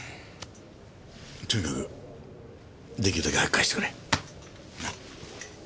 とにかくできるだけ早く返してくれ。な？